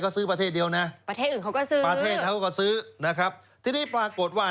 ก็ซื้อประเทศเดียวนะประเทศอื่นเขาก็ซื้อนะครับที่นี่ปรากฏว่า